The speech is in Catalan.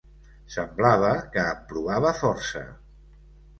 Semblava que em provava força